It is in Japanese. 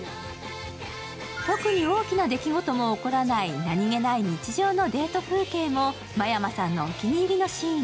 特に大きな出来事も起こらない何気ない日常のデート風景も真山さんのお気に入りのシーン。